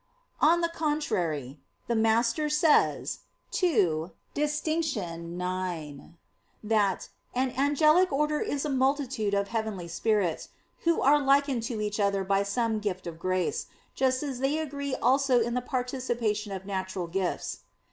On the contrary, The Master says (ii, D. 9) that "an angelic order is a multitude of heavenly spirits, who are likened to each other by some gift of grace, just as they agree also in the participation of natural gifts."